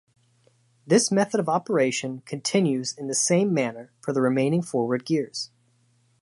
This method of operation continues in the same manner for the remaining forward gears.